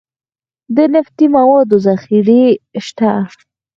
د نفتي موادو ذخیرې شته